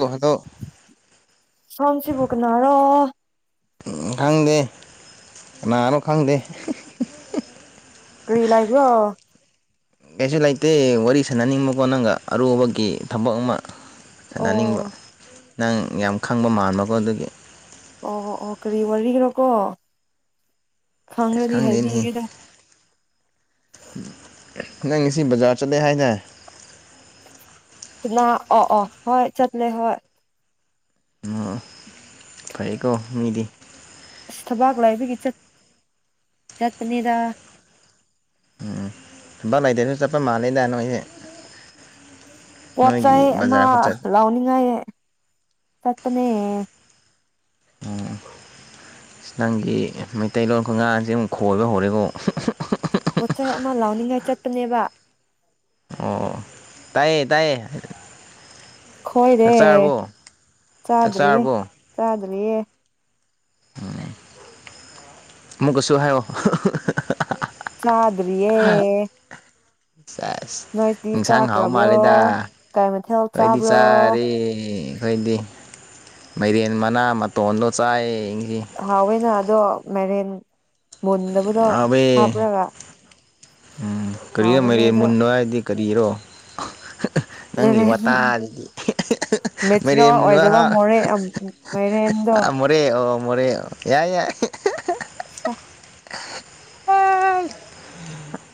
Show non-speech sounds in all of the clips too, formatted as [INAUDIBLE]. ꯍꯥꯜꯂꯣ [UNINTELLIGIBLE] ꯁꯁꯤꯕꯒꯅꯔꯣ ꯎ ꯈꯪꯗꯦ ꯀꯅꯥꯅꯣ ꯈꯪꯗꯦ ꯀꯔꯤ ꯂꯥꯏꯕ꯭ꯔꯣ ꯀꯩꯁꯨ ꯂꯩꯇꯦ ꯋꯥꯔꯤ ꯁꯥꯟꯅꯅꯤꯡꯕꯀꯣ ꯅꯪꯒ ꯑꯔꯨꯕꯒꯤ ꯊꯕꯛ ꯑꯃ ꯑꯣ ꯊꯥꯟꯅꯅꯤꯡꯕ ꯅꯪ ꯌꯥꯝ ꯈꯪꯕ ꯃꯥꯟꯕꯀꯣ ꯑꯗꯨꯒꯤ ꯑꯣ ꯑꯣ ꯀꯔꯤ ꯋꯥꯔꯤꯒꯅꯣꯀꯣ ꯈꯪꯗꯅꯦ ꯍꯥꯏꯕꯤꯒꯦꯗ ꯅꯪ ꯉꯁꯤ ꯕꯖꯥꯔ ꯆꯠꯂꯦ ꯍꯥꯏꯅ ꯑꯣ ꯑꯣ ꯍꯣꯏ ꯆꯠꯂꯦ ꯍꯣꯏ ꯑꯣ ꯐꯩꯀꯣ ꯃꯤꯗꯤ ꯑꯁ ꯊꯕꯥꯛ ꯂꯥꯏꯕꯒꯤꯠ ꯆꯠꯄꯅꯤꯗ ꯎꯝ ꯊꯨꯝꯕꯥ ꯂꯩꯇꯦꯁꯨ ꯆꯠꯄ ꯃꯥꯜꯂꯦꯗꯗꯥ ꯅꯣꯏꯁꯦ ꯄꯣꯠ ꯅꯣꯏꯒꯤ ꯆꯩꯩ ꯑꯃ ꯕꯖꯥꯔ ꯈꯨꯆꯠ ꯂꯥꯎꯅꯤꯡꯉꯥꯏ ꯆꯠꯄꯅꯦ ꯅꯪꯒꯤ ꯃꯩꯇꯩꯂꯣꯟ ꯈꯒꯥꯁꯦ ꯑꯃꯨꯛ ꯈꯣꯏꯕ ꯍꯧꯔꯦꯀꯣ ꯄꯣꯠꯆꯩ ꯑꯃ ꯂꯥꯎꯅꯤꯡꯉꯥꯏ ꯆꯠꯄꯅꯦꯕ ꯑꯣ ꯇꯥꯌꯦ ꯇꯥꯏꯌꯦ ꯈꯣꯏꯔꯦ ꯆꯥꯛ ꯆꯥꯔꯕꯣ ꯆꯥꯛ ꯆꯥꯗ꯭ꯔꯤꯌꯦ ꯆꯥꯔꯕꯣ ꯆꯥꯗ꯭ꯔꯤꯌꯦ [UNINTELLIGIBLE] ꯑꯃꯨꯛꯀꯁꯨ ꯍꯥꯏꯌꯣ ꯆꯗ꯭ꯌꯦꯦ ꯁ ꯏꯪꯁꯥꯡ ꯍꯥꯎ ꯆꯥꯈ꯭ꯔꯕ꯭ꯔꯣ ꯃꯥꯂꯦꯗ ꯀꯩ ꯃꯊꯦꯜ ꯀꯣꯏꯗꯤ ꯆꯥꯕ꯭ꯔꯣ ꯆꯥꯔꯦ ꯀꯣꯏꯗꯤ ꯃꯩꯔꯦꯟ ꯃꯅꯥ ꯃꯇꯣꯟꯗꯣ ꯆꯥꯏ ꯌꯦꯡꯁꯤ ꯍꯋꯦꯅ ꯑꯗꯣ ꯃꯥꯏꯔꯦꯟ ꯃꯗꯕꯨ ꯑꯕꯦ ꯎꯝ ꯀꯣ ꯍꯥꯎꯕꯅꯦ ꯃꯔꯤ ꯑꯗꯣ ꯃꯟꯅꯣꯗꯤ ꯀꯔꯤꯔꯣ ꯅꯪꯒꯤ ꯃꯦꯔꯦꯟ ꯋꯥꯇꯥꯁꯤꯒꯤ ꯃꯔꯦꯝ ꯃꯦꯆꯤꯌꯣꯔ ꯑꯣꯏꯗꯕ ꯃꯨꯅꯍ ꯃꯣꯔꯦ ꯃꯥꯏꯔꯦꯟꯗꯣ ꯃꯣꯔꯦ ꯑꯣ ꯃꯣꯔꯦ ꯌꯥꯏ ꯌꯥꯏ [UNINTELLIGIBLE]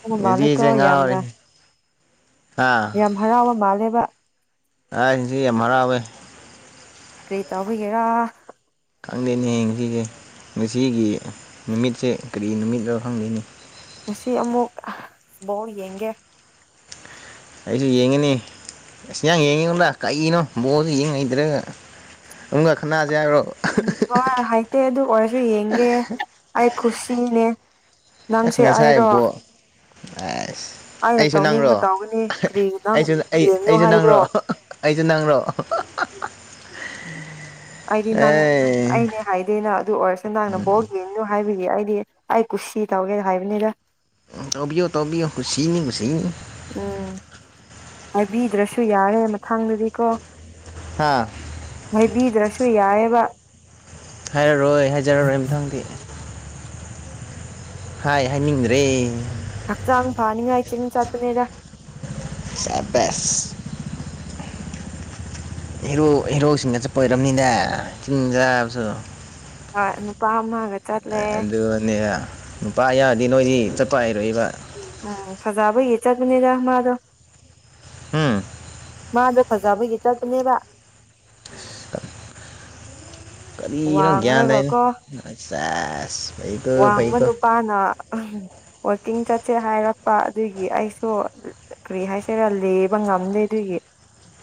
ꯕ ꯃꯥꯜꯂꯦꯀꯣ ꯉꯁꯤꯖꯦ ꯉꯥꯎꯔꯦ ꯌꯥꯝꯅ ꯍꯥ ꯌꯥꯝ ꯍꯔꯥꯎꯕ ꯃꯥꯜꯂꯦꯕ [UNINTELLIGIBLE] ꯌꯥꯝ ꯍꯔꯥꯎꯋꯦ ꯀ꯭ꯔꯦ ꯇꯧ ꯑꯣꯏꯒꯦꯔꯥ ꯈꯪꯗꯦꯅꯦ ꯍꯌꯦꯡꯁꯤꯁꯦ ꯉꯁꯤꯒꯤ ꯅꯨꯃꯤꯠꯁꯦ ꯀꯔꯤ ꯅꯨꯃꯤꯠꯅꯣ ꯈꯪꯗꯦꯅꯤ ꯉꯁꯤ ꯑꯃꯨꯛ ꯕꯣꯜ ꯌꯦꯡꯒꯦ ꯑꯩꯁꯨ ꯌꯦꯡꯉꯅꯤ ꯑꯁ ꯅꯪ ꯌꯦꯡꯉꯤꯉꯨꯗ ꯀꯅꯣ ꯕꯣꯔꯁꯨ ꯌꯦꯡ ꯍꯩꯗ꯭ꯔꯒ ꯅꯨꯡꯒ ꯈꯟꯅꯥꯁꯦ ꯍꯥꯏꯕꯔꯣ ꯎꯝ ꯍꯣꯏ ꯍꯥꯏꯇꯦ ꯑꯗꯨ ꯑꯣꯏꯔꯁꯨ ꯌꯦꯡꯒꯦ ꯑꯩ ꯈꯨꯁꯤꯅꯦ ꯑꯁ ꯅꯪꯁꯦ ꯉꯁꯥꯏ ꯑꯩꯔꯣ ꯕꯣꯜ ꯑꯁ ꯑꯩꯅ ꯑꯩꯁꯨ ꯅꯪꯔꯣ ꯇꯧꯅꯤꯡꯕ ꯇꯧꯒꯅꯤ ꯀꯔꯤ ꯅꯪ ꯑꯩꯁꯨ ꯑꯩ ꯌꯦꯡꯅꯨ ꯑꯩꯁꯨ ꯅꯪꯔꯣ ꯍꯥꯏꯕ꯭ꯔꯣ ꯑꯩꯁꯨ ꯅꯪ꯭ꯔꯣ ꯑꯩꯗꯤ ꯅꯪ ꯑꯦ ꯑꯩꯅꯦ ꯍꯥꯏꯗꯦꯅ ꯑꯗꯨ ꯑꯣꯏꯔꯁꯨ ꯅꯪꯅ ꯕꫭꯜ ꯌꯦꯡꯅꯨ ꯍꯥꯏꯕꯤꯒꯤ ꯑꯩꯗꯤ ꯑꯩ ꯀꯨꯁꯤ ꯇꯧꯒꯦꯗ ꯍꯥꯏꯕꯅꯤꯗ ꯇꫭꯕꯤꯌꯣ ꯇꫭꯕꯤꯌꯨ ꯀꯨꯁꯤꯅꯤ ꯀꯨꯁꯤꯅꯤ ꯎꯝ ꯍꯥꯏꯕꯤꯗ꯭ꯔꯁꯨ ꯌꯥꯔꯦ ꯃꯊꯪꯗꯗꯤꯀꯣ ꯍꯥꯥ ꯃꯣꯏꯕꯤꯗ꯭ꯔꯁꯨ ꯌꯥꯏꯑꯦꯕ ꯍꯥꯏꯔꯔꯣꯏ ꯍꯥꯏꯖꯔꯔꯣꯏ ꯃꯊꯪꯗꯤ ꯍꯥꯏ ꯍꯥꯏꯅꯤꯡꯗ꯭ꯔꯦ ꯍꯛꯆꯥꯡ ꯐꯥꯅꯤꯉꯥꯏ ꯆꯤꯡ ꯆꯠꯄꯅꯤꯗ ꯁꯕꯥꯁ ꯍꯤꯔꯣ ꯍꯤꯔꯣꯁꯤꯡꯒ ꯆꯠꯄꯣꯏꯔꯔꯕꯅꯤꯅꯦ ꯆꯤꯡ ꯆꯕꯁꯨ ꯑ ꯅꯨꯄꯥꯃꯒ ꯑꯗꯨꯅꯦ ꯅꯨꯄꯥ ꯌꯥꯌꯥꯗꯤ ꯅꯣꯏꯗꯤ ꯆꯠꯄ ꯍꯥꯏꯔꯣꯏꯕ ꯎꯝ ꯐꯖꯕ ꯌꯦ ꯆꯠꯕꯅꯤꯗ ꯃꯥꯗꯣ ꯎꯝ ꯃꯥꯗꯣ ꯐꯖꯕꯒꯤ ꯆꯠꯄꯅꯦꯕ ꯀꯔꯤꯅꯣ ꯒ꯭ꯌꯥꯟ ꯋꯥꯡꯉꯒ ꯇꯥꯏꯅꯦ ꯀꯣ ꯁꯦꯁ ꯐꯩꯀꯣ ꯋꯥꯡꯕ ꯐꯩꯀꯣ ꯅꯨꯄꯥꯅ ꯋꯥꯛꯀꯤꯡ ꯆꯠꯁꯦ ꯍꯥꯏꯔꯛꯄ ꯑꯗꯨꯒꯤ ꯑꯩꯁꯨ ꯀꯔꯤ ꯍꯥꯏꯁꯤꯦꯔꯥ ꯂꯦꯕ ꯉꯝꯗꯦ ꯑꯗꯨꯒꯤ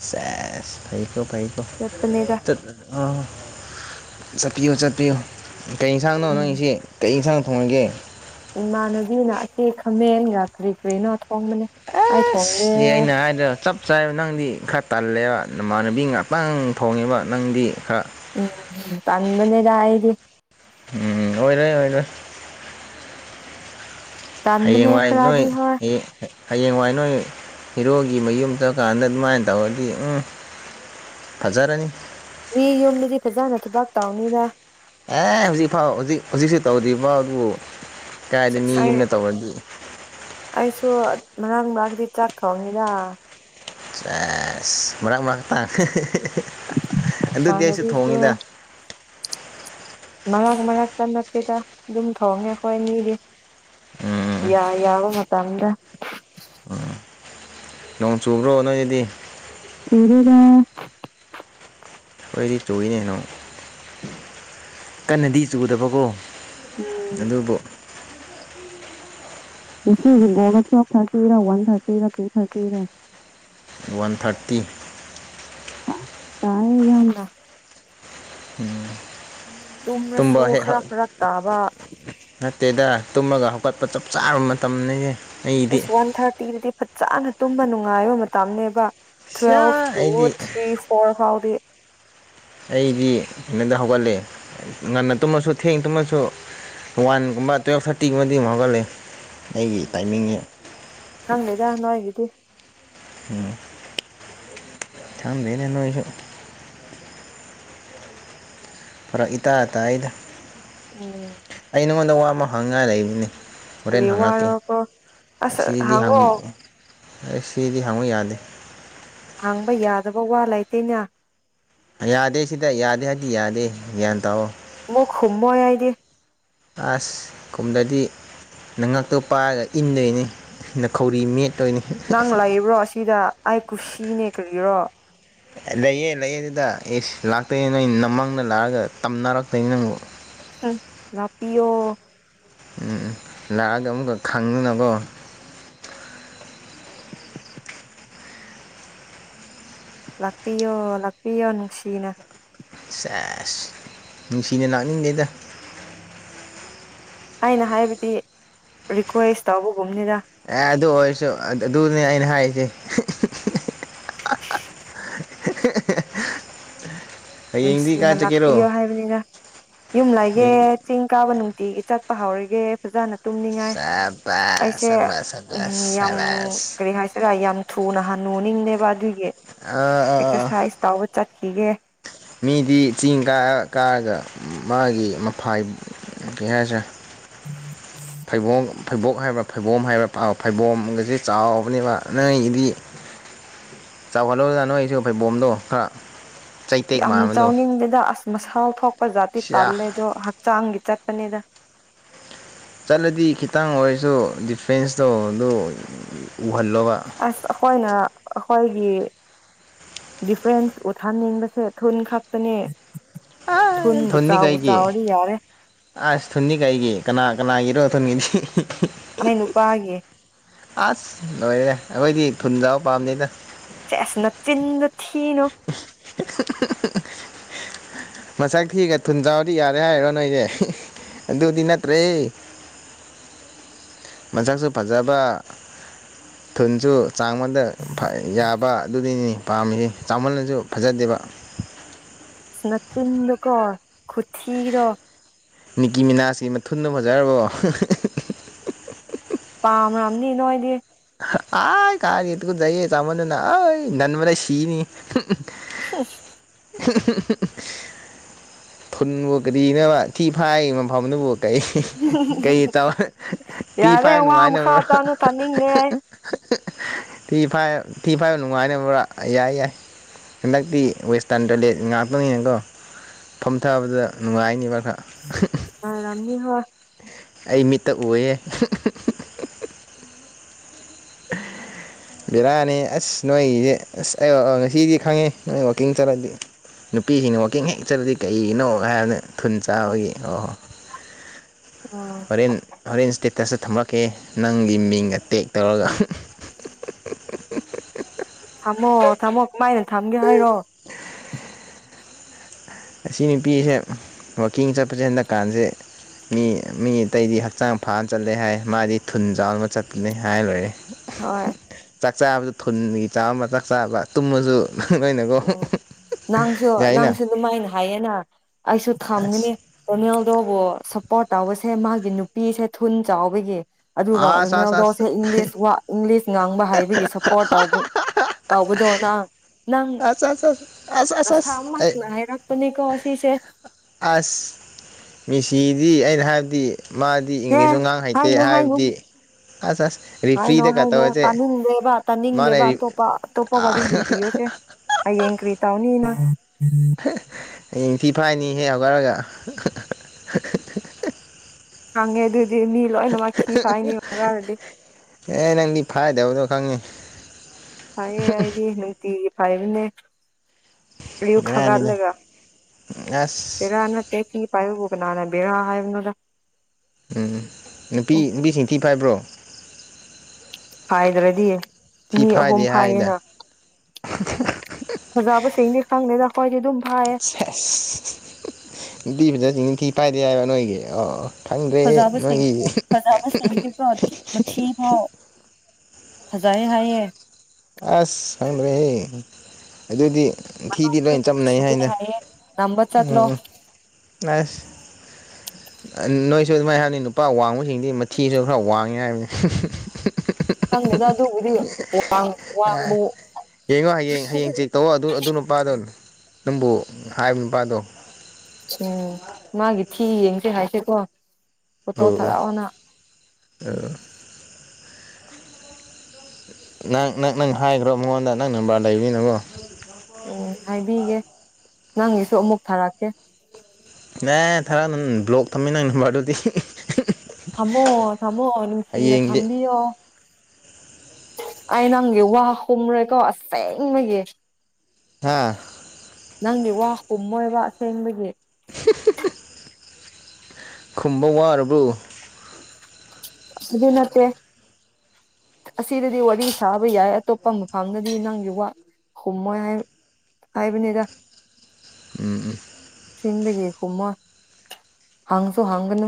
ꯁꯦꯁ ꯐꯩꯀꯣ ꯐꯩꯀꯣ ꯆꯠꯄꯅꯤꯗ ꯑꯥ ꯆꯠꯄꯤꯌꯨ ꯆꯠꯄꯤꯌꯨ ꯀꯩ ꯌꯦꯟꯁꯥꯡꯅꯣ ꯎꯝ ꯅꯪꯒꯤꯁꯤ ꯀꯩ ꯌꯦꯟꯁꯥꯡ ꯊꯣꯡꯉꯒꯦ ꯏꯃꯥꯟꯅꯕꯤꯅ ꯑꯁꯤ ꯈꯥꯃꯦꯟꯒ ꯀꯔꯤ ꯀ꯭ꯔꯤꯅꯣ ꯑꯁ ꯑꯩꯅ ꯍꯥꯏꯗ ꯆꯞ ꯆꯥꯏꯕ ꯅꯪꯗꯤ ꯈꯔ ꯇꯜꯂꯦꯕ ꯅꯃꯥꯟꯅꯕꯤ ꯉꯍꯥꯛꯇꯪ ꯐꯣꯡꯉꯦꯕ ꯅꯪꯗꯤ ꯈꯔ ꯎꯝ ꯄꯅꯦꯗꯥꯏꯔꯤꯦ ꯎꯝ ꯑꯣꯏꯔꯣꯏ ꯑꯣꯏꯔꯣꯏ ꯇꯟꯕꯅꯦ ꯍꯌꯦꯡꯋꯥꯏ ꯅꯣꯏ ꯈꯔꯗꯤ ꯍꯣꯏ ꯍꯌꯦꯡꯋꯥꯏ ꯅꯣꯏ ꯍꯤꯔꯣꯒꯤ ꯃꯌꯨꯝ ꯆꯠꯀꯥꯟꯗ ꯑꯗꯨꯃꯥꯏꯅ ꯇꯧꯔꯗꯤ ꯎꯝ ꯍꯖꯔꯥꯅꯤ ꯃꯤ ꯌꯨꯝꯗꯗꯤ ꯐꯖꯅ ꯊꯕꯛ ꯇꯧꯅꯤꯗ ꯑꯦ ꯍꯧꯖꯤꯛꯐꯥꯎ ꯍꯧꯖꯤꯛ ꯍꯧꯖꯤꯛꯁꯨ ꯇꯧꯗ꯭ꯔꯤꯐꯥꯎ ꯑꯗꯨꯕꯨ ꯀꯥꯏꯗ ꯑꯁ ꯃꯤ ꯑꯩ ꯌꯨꯝꯗ ꯇꯧꯔꯗꯤ ꯑꯩꯁꯨ ꯃꯔꯥꯡ ꯃꯔꯗꯤ ꯆꯥꯛ ꯊꯣꯡꯉꯤꯗ ꯑꯁ ꯃꯔꯛ ꯃꯔꯛ ꯇꯥꯦ ꯑꯗꯨꯗꯤ ꯑꯩꯁꯨ ꯏꯃꯥꯟꯅꯕꯤꯁꯨ ꯊꯣꯡꯉꯤꯗ ꯃꯔꯛ ꯃꯔꯛꯇ ꯅꯛꯇꯦꯗ ꯑꯗꯨꯝ ꯊꯣꯡꯉꯦ ꯑꯩꯈꯣꯏ ꯃꯤꯗꯤ ꯎꯝ ꯌꯥ ꯌꯕꯥ ꯃꯇꯝꯇ ꯎꯝ ꯅꯣꯡ ꯆꯨꯕ꯭ꯔꯣ ꯅꯣꯏꯒꯤꯗꯤ ꯀꯗꯒ ꯑꯩꯣꯏꯗꯤ ꯆꯨꯏꯅꯦꯅꯣ ꯀꯟꯅꯗꯤ ꯆꯨꯗꯕꯀꯣ ꯎꯝ ꯑꯗꯨꯕꯨ thirty one thirty two thirty one thirty ꯇꯥꯏꯌꯦ ꯌꯥꯝꯅ ꯎꯝ ꯇꯨꯝꯅꯁꯨ ꯈꯔ ꯐꯔꯛ ꯇꯥꯕ ꯅꯠꯇꯦꯗ ꯇꯨꯝꯃꯒ ꯍꯧꯀꯠꯄ ꯆꯞ ꯆꯥꯕ ꯃꯇꯝꯅꯦ ꯑꯦꯁ ꯋꯥꯟ ꯊꯥꯔꯇꯤꯗꯗꯤ ꯐꯖꯅ ꯇꯨꯝꯕ ꯅꯨꯡꯉꯥꯏꯕ ꯃꯇꯝꯅꯦꯕ ꯇ꯭ꯋꯦꯜ ꯁꯤꯌꯥ ꯇꯨ ꯑꯩꯗꯤ ꯊ꯭ꯔꯤ ꯐꯣꯔ ꯐꯥꯎꯗꯤ ꯑꯩꯗꯤ ꯀꯩꯅꯣꯗ ꯍꯧꯒꯠꯂꯦ ꯉꯟꯅ ꯇꯨꯝꯃꯁꯨ ꯊꯦꯡ ꯇꯨꯝꯃꯁꯨ ꯋꯥꯟꯒꯨꯝꯕ ꯇꯨꯌꯦꯜꯞ ꯊꯥꯔꯇꯤꯒꯨꯝꯕꯗꯤ ꯑꯃꯝꯛ ꯍꯧꯒꯠꯂ ꯑꯩꯒꯤ ꯇꯥꯏꯃꯤꯡꯁ ꯈꯪꯗꯦꯗ ꯅꯣꯏꯒꯤꯗꯤ꯫ ꯎꯝ ꯊꯝꯗꯦꯅꯦ ꯅꯣꯢꯁꯨ꯫ ꯐꯔꯛ ꯏꯇꯥ ꯇꯥꯌꯦꯗ ꯎꯝ ꯑꯩ ꯅꯉꯣꯟꯗ ꯋꯥ ꯑꯃ ꯍꯥꯡꯉꯥꯏ ꯂꯩꯕꯅꯦ꯫ ꯍꯣꯔꯦꯟ ꯀꯔꯤ ꯍꯥꯡꯉꯛꯀꯦ ꯋꯥꯔꯣꯀꯣ ꯑꯁ ꯑꯁꯤꯗꯤ ꯍ ꯍꯪꯉꯣ ꯑꯩ ꯁꯤꯗꯤ ꯍꯪꯕ ꯌꯥꯗꯦ ꯍꯥꯡꯕ ꯌꯥꯗꯕ ꯋꯥ ꯂꯩꯇꯦꯅ ꯌꯥꯗꯦ ꯁꯤꯗ ꯌꯥꯗꯦ ꯍꯥꯏꯗꯤ ꯌꯥꯗꯦ ꯒ꯭ꯌꯥꯟ ꯇꯥꯑꯣ ꯋꯣ ꯈꯨꯃꯣꯏ ꯑꯥꯏꯗꯤ꯫ ꯑꯥꯁ ꯀꯨꯝꯗꯗꯤ꯫ ꯅꯪꯉꯛꯇꯣ ꯄꯥꯏꯔꯒ ꯏꯟꯗꯣꯏꯅꯤ ꯅꯈꯧꯔꯤ ꯃꯦꯠ ꯅꯪ ꯂꯩꯕ꯭ꯔꯣ ꯑꯁꯤꯗ ꯑꯩ ꯀꯨꯁꯤꯅꯦ ꯀꯔꯤꯔꯣ꯫ ꯂꯩꯌꯦ ꯂꯩꯌꯦ ꯑꯗꯨꯗ ꯑꯦꯁ ꯂꯥꯛꯇꯣꯏꯅꯦ ꯅꯣꯏ ꯅꯃꯪꯗ ꯂꯥꯛꯑꯒ ꯇꯝꯅꯔꯛꯇꯣꯏꯅꯤ ꯅꯪꯕꯨ ꯎꯝ ꯂꯥꯛꯄꯤꯌꯣ꯫ ꯎꯝ ꯎꯝ ꯂꯥꯛꯑꯒ ꯑꯃꯨꯛꯀ ꯈꯪꯗꯅꯀꯣ꯫ ꯂꯥꯛꯄꯤꯌꯣ ꯂꯥꯛꯄꯤꯌꯣ ꯅꯨꯡꯁꯤꯅ ꯁꯦꯁ ꯅꯨꯡꯁꯤꯅ ꯂꯥꯛꯅꯤꯡꯗ‌ꯦꯗ ꯑꯩꯅ ꯍꯥꯏꯕꯗꯤ ꯔꯤꯀ꯭ꯋꯦꯁ ꯇꯧꯕꯒꯨꯝꯅꯤꯗ꯫ ꯑꯦ ꯑꯗꯨ ꯑꯣꯏꯔꯁꯨ ꯑꯗꯨꯅꯤ ꯑꯩꯅ ꯍꯥꯏꯁꯦ [UNINTELLIGIBLE] [UNINTELLIGIBLE] ꯅꯨꯡꯁꯤꯅ ꯂꯥꯛꯄꯤꯌꯣ ꯍꯥꯏꯕꯅꯤꯗ ꯌꯨꯝ ꯂꯥꯏꯒꯦ ꯍꯌꯦꯡꯗꯤ ꯆꯤꯡ ꯀꯥꯕ ꯅꯨꯡꯇꯤꯒꯤ ꯆꯠꯄ ꯍꯥꯎꯔꯒꯦ ꯐꯖꯅ꯫ ꯇꯨꯝꯅꯤꯡꯉꯥꯏ ꯁꯕꯥꯁ ꯑꯩꯁꯦ ꯁꯕꯥꯁ ꯎꯝ ꯁꯕꯥꯁ ꯌꯥꯝ ꯁꯕꯥꯁ ꯀꯔꯤ ꯍꯥꯏꯁꯤꯔꯥ ꯌꯥꯝ ꯊꯨꯅ ꯍꯟꯅꯨꯅꯤꯡꯗꯦꯕ ꯑꯗꯨꯒꯤ ꯑꯥ ꯑꯥ ꯑꯥ ꯑꯦꯛꯁꯔꯁꯥꯏꯁ ꯇꯧꯕ ꯆꯠꯈꯤꯒꯦ ꯃꯤꯗꯤ ꯆꯤꯡ ꯀꯥ ꯀꯥꯔꯒ ꯃꯥꯒꯤ ꯃꯐꯥꯏ ꯀꯩ ꯍꯥꯏꯁꯤꯔ [UNINTELLIGIBLE] ꯐꯩꯕꯣꯡ ꯐꯩꯕꯣꯛ ꯍꯥꯏꯕ꯭ꯔꯥ ꯐꯩꯕꯣꯝ ꯍꯥꯏꯕ꯭ꯔꯥ ꯄ ꯐꯩꯕꯣꯝꯒꯁꯦ ꯆꯥꯎꯕꯅꯦꯕ ꯅ‌ꯣꯏꯒꯤꯗꯤ꯫ ꯆꯥꯎꯍꯜꯂꯣꯗ ꯅꯣꯏꯁꯨ ꯐꯩꯕꯣꯝꯗꯣ ꯈꯔ꯫ ꯆꯩꯇꯦꯛ ꯌꯥꯝ ꯃꯥꯟꯕꯗꯣ ꯆꯥꯎꯅꯤꯡꯗꯦꯗ ꯑꯁ ꯃꯁꯥꯜ ꯊꯣꯛꯄ ꯖꯥꯇꯤ ꯁꯤꯌꯥ ꯇꯜꯂꯦꯗꯣ ꯍꯛꯆꯥꯡꯒꯤ ꯆꯠꯄꯅꯤꯗ ꯆꯠꯂꯗꯤ ꯈꯤꯇꯪ ꯑꯣꯏꯁꯨ ꯗꯤꯐ꯭ꯔꯦꯟꯁꯇꯣ ꯑꯗꯨ ꯎ ꯎꯍꯜꯂꯣꯕ꯫ ꯑꯁ ꯑꯩꯈꯣꯏꯅ ꯑꯩꯈꯣꯏꯒꯤ ꯗꯤꯐ꯭ꯔꯦꯟꯁ ꯎꯠꯍꯟꯅꯤꯡꯕꯁꯦ ꯊꯨꯟ ꯈꯛꯇꯅꯦ ꯊꯨꯟꯕꯨ ꯊꯨꯟꯗꯤ ꯆꯥꯎꯕꯨ ꯀꯩꯒꯤ ꯆꯥꯎꯔꯗꯤ ꯌꯥꯔꯦ ꯑꯁ ꯊꯨꯟꯗꯤ ꯀꯩꯒꯤ ꯀꯅꯥ ꯀꯅꯥꯒꯤꯔꯣ ꯊꯨꯟꯒꯤꯗꯤ ꯑꯩ ꯅꯨꯄꯥ ꯒꯤ ꯑꯁ ꯂꯣꯏꯔꯦ ꯑꯈꯣꯏꯗꯤ ꯊꯨꯟ ꯖꯥꯎ ꯄꯥꯝꯗꯦꯗ꯫ ꯁꯦꯁ ꯅꯆꯤꯟꯗ‌ꯣ ꯊꯤꯅꯣ [UNINTELLIGIBLE] ꯃꯁꯛ ꯊꯤꯒ ꯊꯨꯟꯆꯥꯎꯔꯗꯤ ꯌꯥꯔꯦ ꯍꯥꯏꯔꯤꯔꯣ ꯅꯣꯏꯁꯦ ꯑꯗꯨꯗꯤ ꯅꯠꯇ꯭ꯔꯦ꯫ ꯃꯁꯛꯁꯨ ꯐꯖꯕ ꯊꯨꯟꯁꯨ ꯆꯥꯡꯃꯗ꯫ ꯌꯥꯕ ꯑꯗꯨꯅꯤꯅ‌ꯦ ꯄꯥꯝꯃꯤꯁꯤ ꯆꯥꯎꯃꯜꯂꯁꯨ ꯐꯖꯗꯦꯕ ꯅꯆꯤꯟꯗꯣ ꯀꯣ ꯈꯨꯊꯤꯗꯣ꯫ ꯅꯤꯀꯤ ꯃꯤꯅꯥꯁꯀꯤ ꯃꯊꯨꯟꯗꯣ ꯐꯖꯔꯕꯣ꯫ ꯄꯥꯝ ꯔꯝꯅꯤ ꯅꯣꯏꯗꯤ꯫ ꯑꯥꯏ ꯀꯥꯏ ꯇꯨꯀꯆꯩꯌꯦ ꯆꯥꯎꯃꯟꯗꯅ ꯑꯥꯏ ꯅꯟꯕꯗꯥ ꯑꯩ ꯁꯤꯅꯤ ꯍꯨꯞ [UNINTELLIGIBLE] ꯊꯨꯟꯕꯨ ꯀꯔꯤꯅ‌ꯣꯕ ꯊꯤ ꯐꯥꯏ ꯃꯐꯝꯗꯨꯕꯨ ꯀꯩ ꯀꯩ ꯇꯧ ꯇꯤ ꯌꯥꯔꯦ ꯐꯥꯏ ꯋꯥ ꯃꯈꯥ ꯅꯨꯡꯉꯥꯏꯅꯕ꯭ꯔꯣ [UNINTELLIGIBLE] ꯊꯤ ꯐꯥꯏ ꯊꯤ ꯐꯥꯏꯕ ꯅꯨꯡꯉꯥꯏꯅꯕ꯭ꯔꯥ ꯌꯥꯏ ꯌꯥꯏ ꯍꯟꯗꯛꯇꯤ ꯋꯦꯁꯇꯥꯔꯟ ꯇꯣꯏꯂꯦꯠ ꯉꯥꯛꯇꯅꯤꯅꯀꯣ꯫ ꯐꯝ ꯊꯥꯕꯗ ꯅꯨꯡꯉꯥꯏꯅꯦꯕ ꯈꯔ ꯄꯥꯜꯔꯝꯅꯤꯍꯣꯏ꯫ ꯑꯩ ꯃꯤꯠꯇ ꯎꯌꯦ ꯑ [UNINTELLIGIBLE] ꯕꯦꯔꯥꯅꯤ ꯑꯁ ꯅꯣꯏꯒꯤꯁꯦ ꯑꯁ ꯑꯩ ꯉꯁꯤꯗꯤ ꯈꯪꯉꯦ ꯅꯣꯏ ꯋꯥꯛꯀꯤꯡ ꯆꯠꯂꯗꯤ ꯅꯨꯄꯤꯁꯤꯡꯅ ꯋꯥꯛꯀꯤꯡ ꯍꯦꯛ ꯆꯠꯂꯗꯤ ꯀꯩꯒꯤꯅꯣ ꯍꯥꯏꯕꯗ ꯊꯨꯟ ꯎꯝ ꯆꯥꯎꯕꯒꯤ ꯑꯣ ꯎꯝ ꯍꯣꯔꯦꯟ ꯍꯣꯔꯦꯟ ꯏꯁꯇꯦꯇꯁꯇ ꯊꯝꯃꯛꯀꯦ ꯅꯪꯒꯤ ꯃꯤꯡꯒ ꯇꯦꯛ ꯇꯧꯔꯒ [INAUDIBLE] ꯊꯝꯃꯣ ꯊꯥꯝꯃꯣ ꯀꯃꯥꯏꯅ ꯊꯝꯒꯦ ꯍꯥꯏꯔꯣ ꯑꯁꯤ ꯅꯨꯄꯤꯁꯦ ꯋꯥꯛꯀꯤꯡ ꯆꯠꯄꯁꯦ ꯍꯟꯗꯛꯀꯥꯟꯁꯦ꯫ ꯃꯤ ꯃꯤ ꯑꯇꯩꯗꯤ ꯍꯛꯆꯥꯡ ꯐꯅ ꯆꯠꯂꯦ ꯍꯥꯏ ꯃꯥꯗꯤ ꯊꯨꯟ ꯆꯥꯎꯅꯕ ꯆꯠꯄꯅꯤ ꯍꯥꯏ ꯂꯣꯏꯔꯦ꯫ ꯍꯣꯏ꯫ ꯆꯥꯛ ꯆꯥꯕꯗꯨ ꯊꯨꯟꯒꯤ ꯆꯥꯡ ꯆꯥꯎꯅꯕ ꯆꯥꯛ ꯆꯥꯕ ꯇꯨꯝꯕꯁꯨ ꯎꯝ ꯅꯪꯁꯨ ꯌꯥꯏꯅ ꯅꯪꯁꯨ ꯑꯗꯨꯃꯥꯏꯅ ꯍꯥꯏꯌꯦꯅ ꯑꯩꯁꯨ ꯊꯝꯒꯅꯤ꯫ ꯔ‌ꯣꯅꯥꯜꯗꯨꯕꯨ ꯁꯞꯄꯣꯔꯠ ꯇꯧꯕꯁꯦ ꯃꯥꯒꯤ ꯅꯨꯄꯤꯁꯦ ꯊꯨꯟ ꯆꯥꯎꯕꯒꯤ ꯑꯗꯨꯒ ꯑꯁ ꯑꯁ ꯑꯁ ꯔ‌ꯣꯅꯥꯜꯗꯣꯁ‌ꯦ ꯏꯪꯂꯤꯁ ꯋꯥ ꯏꯪꯂꯤꯁ ꯉꯥꯡꯕ ꯍꯥꯏꯕꯒꯤ ꯁꯄꯣꯔꯠ ꯇꯕ ꯇꯧꯕꯗꯣ ꯅꯪ ꯅꯪ ꯑ ꯑꯁ ꯑꯁ ꯑꯁ ꯑꯁ ꯑꯁ ꯑꯩ ꯄꯅꯤꯀꯣ ꯉꯁꯤꯁꯦ ꯑꯁ ꯃ‌ꯦꯁꯤꯗꯤ ꯑꯩꯅ ꯍꯥꯏꯕꯗꯤ ꯃꯥ ꯗꯤ ꯍꯦ ꯏꯪꯂꯤꯁꯁꯨ ꯉꯥꯡ ꯍꯩꯇꯦ ꯍꯥꯏꯅꯨ ꯍꯥꯏꯅꯨ ꯍꯥꯏꯕꯗꯤ ꯑꯁ ꯑꯁ ꯍꯥꯏꯅꯣ ꯔꯤꯐ꯭ꯔꯤꯗꯒ ꯍꯥꯏꯅꯣ ꯇꯧꯔꯁꯦ ꯇꯥꯅꯤꯡꯗꯦꯕ ꯃꯥꯅ ꯇꯥꯅꯤꯡꯗꯦꯕ ꯑꯇꯣꯞꯄ ꯑꯇꯣꯞꯄ ꯋꯥꯔꯤ ꯂꯤꯕꯤꯌꯣꯁꯦ ꯍꯌꯦꯡ ꯀ꯭ꯔꯤ ꯇꯧꯅꯤ ꯅꯪ ꯍꯌꯦꯡ ꯊꯤ ꯐꯥꯏꯅꯤ ꯍꯦꯛ ꯍꯧꯒꯠꯔꯒ ꯈꯪꯉꯦ ꯑꯗꯨꯗꯤ ꯃꯤ ꯂꯣꯏꯅꯃꯛ ꯊꯤ ꯐꯥꯏꯅꯤ ꯍꯧꯒꯠꯂꯗꯤ ꯑꯦ ꯅꯪꯗꯤ ꯐꯥꯏꯗꯕꯗꯣ ꯈꯪꯉꯤ ꯐꯥꯏꯌꯦ ꯑꯩꯗꯤ ꯅꯨꯡꯇꯤꯒꯤ ꯐꯥꯏꯕꯅꯦ꯫ ꯑꯌꯨꯛ ꯕꯦꯔꯥꯅꯤꯗ ꯍꯧꯒꯠꯂꯒ ꯑꯁ ꯍ‌ꯦꯔꯥ ꯑꯦ ꯄꯤ ꯄꯥꯏꯕꯕꯨ ꯀꯅꯥꯅ ꯕ‌ꯦꯔꯥ ꯍꯥꯏꯕꯅꯤꯗ ꯎꯝ ꯅꯨꯄꯤ ꯅꯨꯄꯤꯁꯤꯡ ꯊꯤ ꯐꯥꯏꯕ꯭ꯔꯣ ꯐꯥꯏꯗ꯭ꯔꯗꯤ ꯊꯤ ꯑꯅꯤ ꯑꯍꯨꯝ ꯐꯥꯏꯗꯦ ꯍꯥꯏꯗ ꯐꯥꯏꯌꯦꯅ [UNINTELLIGIBLE] ꯐꯖꯕꯁꯤꯡꯗꯤ ꯈꯪꯗꯦꯗ ꯈꯣꯏꯗꯤ ꯑꯗꯨꯝ ꯐꯥꯏꯌꯦ꯫ ꯑꯁ ꯅꯨꯄꯤ ꯐꯖꯕꯁꯤꯡꯗꯤ ꯊꯤ ꯐꯥꯏꯗꯦ ꯍꯥꯏꯔ‌ꯣ ꯅꯣꯏꯒꯤ ꯑꯣ ꯈꯪꯗ꯭ꯔꯦꯍꯦ ꯐꯖꯥꯕꯁꯤꯡ ꯅꯣꯏꯒꯤ ꯐꯖꯕ ꯁꯤꯡꯗꯤꯀꯣ ꯃꯊꯤꯐꯥꯎ ꯐꯖꯩ ꯍꯥꯏꯌꯦ ꯑꯁ ꯈꯪꯗ꯭ꯔꯦꯍꯦ ꯑꯗꯨꯗꯤ꯫ ꯊꯤꯗꯤ ꯂꯣꯏ ꯆꯞ ꯃꯟꯅꯩ ꯅꯨꯡꯁꯤꯌꯦ ꯍꯥꯏꯗ ꯍꯥꯏꯌꯦ ꯅꯝꯕ ꯆꯠꯂꯣ ꯎꯝ ꯎꯝ ꯑꯁ ꯅꯣꯏꯁꯨ ꯑꯗꯨꯃꯥꯏꯅ ꯍꯥꯏꯕꯅꯤ ꯅꯨꯄꯥ ꯋꯥꯡꯕꯁꯤꯡꯗꯤ ꯃꯊꯤꯁꯨ ꯈꯔ ꯋꯥꯡꯉꯤ ꯍꯥꯏꯕꯅꯤ꯫ ꯈꯪꯗꯦꯗ ꯑꯗꯨꯕꯨꯗꯤ ꯋꯥ ꯌꯦꯡꯉꯣ ꯍꯌꯦꯡ ꯍꯌꯦꯡ ꯆꯦꯛ ꯇꯧ ꯑꯗꯨ ꯑꯗꯨ ꯄꯥꯗꯣ ꯅꯪꯕꯨ ꯍꯥꯏꯕ ꯅꯨꯄꯥꯗꯣ꯫ ꯎꯝ ꯃꯥꯒꯤ ꯊꯤ ꯌꯦꯡꯁꯦ ꯍꯥꯏꯁꯦꯀꯣ꯫ ꯎꯝ ꯐꯣꯇꯣ ꯎꯝ ꯊꯥꯔꯛꯑꯣꯅ ꯑꯣ ꯅꯪ ꯅꯪ ꯅꯪ ꯍꯥꯏꯈ꯭ꯔꯣ ꯃꯉꯣꯟꯗ ꯅꯪ ꯅꯝꯕꯔ ꯂꯩꯕꯅꯤꯅꯀ‌ꯣ ꯎꯝ ꯍꯥꯏꯕꯤꯒꯦ ꯅꯪꯒꯤꯁꯨ ꯑꯃꯨꯛ ꯊꯥꯔꯛꯀꯦ [INAUDIBLE] ꯕꯂꯣꯛ ꯊꯝꯃꯦ ꯅꯪ ꯅꯝꯕꯔ ꯗꯨꯗꯤ ꯊꯝꯃꯣ ꯊꯝꯃꯣ ꯅꯨꯡꯁꯤꯅ ꯍꯌꯦꯡꯗꯤ ꯊꯝꯕꯤꯌꯣ ꯑꯩ ꯅꯪꯒꯤ ꯋꯥ ꯈꯨꯝꯈꯔ‌ꯦꯀꯣ ꯑꯁꯦꯡꯕꯒꯤ ꯍꯥꯥ ꯅꯪꯗꯤ ꯋꯥ ꯈꯨꯝꯃꯣꯏꯕ ꯑꯁꯦꯡꯕꯒꯤ [UNINTELLIGIBLE] ꯈꯨꯝꯕ ꯋꯥꯔꯕꯣ ꯑꯗꯨꯏ ꯅꯠꯇꯦ ꯑꯁꯤꯗꯗꯤ ꯋꯥꯔꯤ ꯁꯥꯕ ꯌꯥꯏ ꯑꯇꯣꯞꯄ ꯃꯐꯝꯗꯗꯤ ꯅꯪꯒꯤ ꯋꯥ ꯈꯨꯝꯃꯣꯏ ꯍꯥꯏ ꯍꯥꯏꯕꯅ‌ꯦꯗꯥ ꯎꯝ ꯎꯝ ꯁꯦꯡꯕꯒꯤ ꯈꯨꯝꯃꯣꯏ ꯍꯥꯡꯁꯨ ꯍꯪꯒꯅꯨ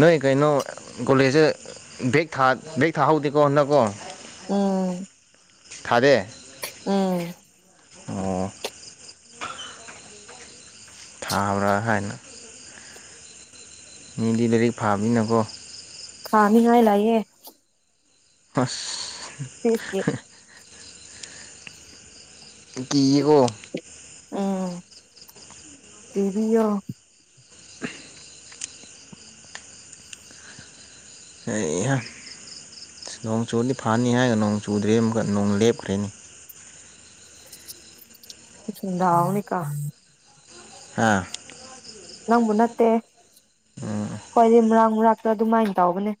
ꯅꯣꯏ ꯀꯩꯅꯣ ꯒꯣꯂꯦꯖꯁꯦ ꯕꯦꯛ ꯕꯦꯛ ꯊꯥꯍꯧꯗꯦꯀꯣ ꯍꯥꯟꯗꯛꯀꯣ ꯎꯝ ꯊꯥꯗꯦ ꯎꯝ ꯑꯣ ꯊꯥꯕ꯭ꯔꯥ ꯍꯥꯏꯅ ꯃꯤꯗꯤ ꯂꯥꯏꯔꯤꯛ ꯐꯥꯕꯅꯤꯅꯀꯣ [INAUDIBLE] ꯂꯩꯌꯦ ꯑꯁ [INAUDIBLE] ꯀꯤꯌꯦꯀꯣ ꯎꯝ ꯀꯤꯕꯤꯌꯣ [INAUDIBLE] ꯍꯩꯍꯥ ꯑꯁ ꯅꯣꯡ ꯆꯨꯗꯤ ꯐꯅꯤ ꯍꯥꯏꯔꯒ ꯅꯣꯡ ꯆꯨꯗ꯭ꯔꯦ ꯑꯃꯨꯛꯀ ꯅꯣꯡ ꯂꯦꯞꯈ꯭ꯔꯦꯅꯦ [UNINTELLIGIBLE] ꯗꯥꯎꯅꯤꯀꯥ ꯍꯥꯥ ꯅꯪꯕꯨ ꯅꯠꯇꯦ ꯈꯣꯏꯗꯤ ꯃꯔꯥꯡ ꯃꯔꯥꯛꯇ ꯑꯗꯨꯃꯥꯏꯅ ꯇꯧꯕꯅꯦ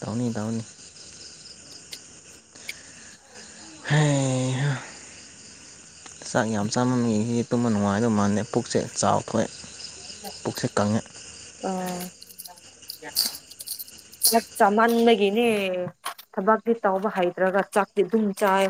ꯇꯧꯅꯤ ꯇꯧꯅꯤ ꯍꯩꯍꯥ ꯆꯥꯛ ꯌꯥꯝ ꯆꯥꯃꯟꯕꯒꯤ ꯇꯨꯝꯕ ꯅꯨꯡꯉꯥꯏꯗꯧ ꯃꯜꯂꯦ ꯄꯨꯛꯁꯦ ꯆꯥꯎ [INAUDIBLE] ꯄꯨꯛꯁꯦ ꯀꯪꯉꯦ ꯑꯥ [UNINTELLIGIBLE] ꯆꯥꯛ ꯆꯥꯃꯟꯕꯒꯤꯅꯦ ꯊꯕꯛꯇꯤ ꯇꯧꯕ ꯍꯩꯇꫪꯒ ꯆꯥꯛꯇꯤ ꯑꯗꯨꯝ ꯆꯥꯏ